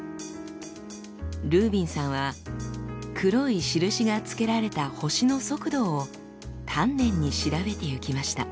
ルービンさんは黒い印がつけられた星の速度を丹念に調べていきました。